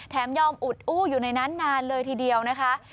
ยอมอุดอู้อยู่ในนั้นนานเลยทีเดียวนะคะ